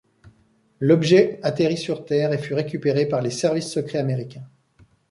L'objet atterrit sur Terre et fut récupéré par les services secrets américains.